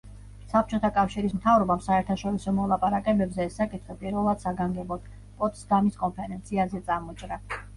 საბჭოთა კავშირის მთავრობამ საერთაშორისო მოლაპარაკებებზე ეს საკითხი პირველად საგანგებოდ პოტსდამის კონფერენციაზე წამოჭრა.